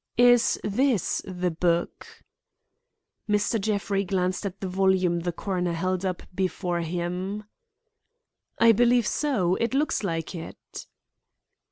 "Is this the book?" Mr. Jeffrey glanced at the volume the coroner held up before him. "I believe so; it looks like it."